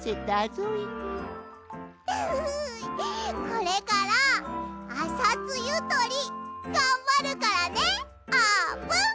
これからあさつゆとりがんばるからねあーぷん！